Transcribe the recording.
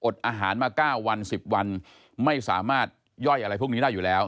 อาหารมา๙วัน๑๐วันไม่สามารถย่อยอะไรพวกนี้ได้อยู่แล้ว